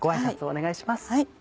お願いします。